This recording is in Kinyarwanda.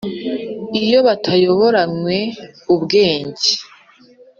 Iyo batayoboranywe ubwenge